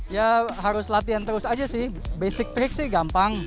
ya harus latihan terus aja sih basic trick sih gampang